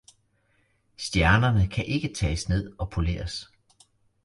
Stjernerne kan ikke tages ned og poleres